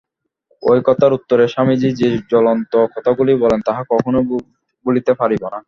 ঐ কথার উত্তরে স্বামীজী যে জ্বলন্ত কথাগুলি বলেন, তাহা কখনও ভুলিতে পারিব না।